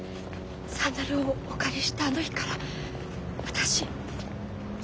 サンダルをお借りしたあの日から私。